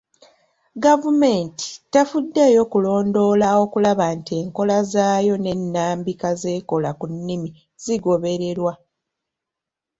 Gavumenti tefuddeyo kulondoola okulaba nti enkola zaayo n'ennambika z'ekola ku nnimi zigobererwa.